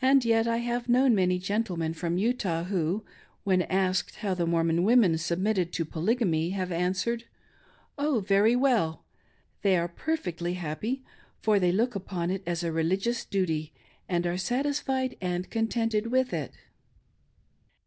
And yet I have known maily gentlemen from Utah who, when asked how the MorrrlcJn women submitted to Poly ^ gamy, have answered: "Oh, very well. They are perfectly happy, for they look upon it as a religious duty, and are satisfied and contented with it."